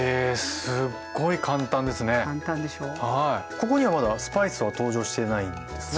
ここにはまだスパイスは登場してないんですね。